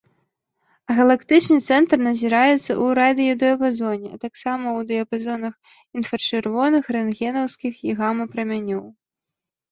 Галактычны цэнтр назіраецца ў радыёдыяпазоне, а таксама ў дыяпазонах інфрачырвоных, рэнтгенаўскіх і гама-прамянёў.